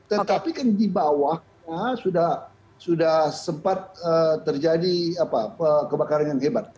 tetapi kan di bawahnya sudah sempat terjadi kebakaran yang hebat